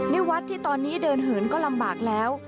ในวัดที่ตอนนี้เดินเหินก็ลำบากแล้ว